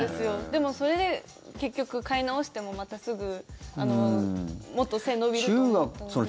でも、それで結局買い直してもまたすぐもっと背伸びると思ったので。